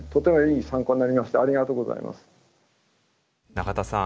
永田さん